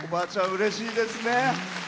うれしいですね。